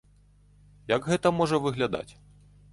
Як гэта можа выглядаць?